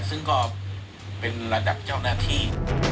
ซึ่งก็เป็นระดับเจ้าหน้าที่